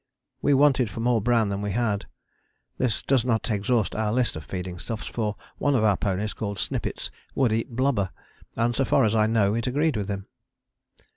We wanted more bran than we had. This does not exhaust our list of feeding stuffs, for one of our ponies called Snippets would eat blubber, and so far as I know it agreed with him.